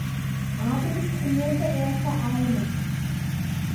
Abends trainierte er Vereine.